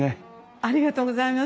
ありがとうございます。